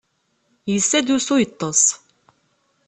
Yessa-d usu yeṭṭes.